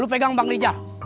lu pegang bang rijal